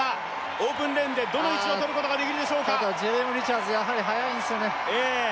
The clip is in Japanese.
オープンレーンでどの位置をとることができるでしょうかジェレーム・リチャーズやはり速いんですよねええ